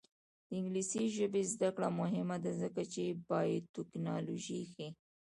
د انګلیسي ژبې زده کړه مهمه ده ځکه چې بایوټیکنالوژي ښيي.